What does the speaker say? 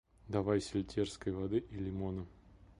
Давай сельтерской воды и лимона.